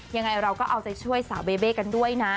ยังไงเราก็เอาใจช่วยสาวเบเบ้กันด้วยนะ